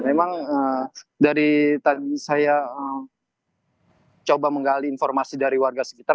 memang dari tadi saya coba menggali informasi dari warga sekitar